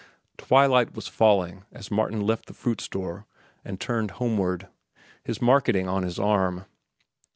Twilight was falling as Martin left the fruit store and turned homeward, his marketing on his arm.